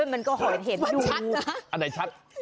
มันก็เห็นดูว่าชัดนะอันไหนชัด